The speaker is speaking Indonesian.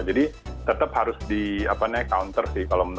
jadi tetap harus di counter sih